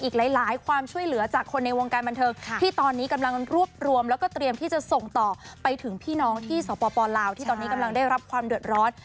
อีกหลายความช่วยเหลือจากคนในวงการบันเทิงที่ตอนนี้กำลังรวบรวมแล้วก็เตรียมที่จะส่งต่อไปถึงพี่น้องที่สปลาวที่ตอนนี้กำลังได้รับความเดือดร้อน